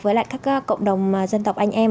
với lại các cộng đồng dân tộc anh em